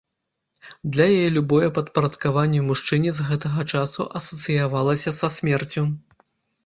Для яе любое падпарадкаванне мужчыне з гэтага часу асацыявалася са смерцю.